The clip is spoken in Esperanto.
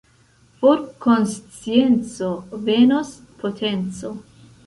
For konscienco, venos potenco.